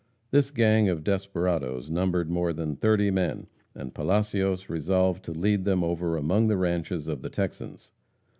This gang of desperadoes numbered more than thirty men, and Palacios resolved to lead them over among the ranches of the Texans.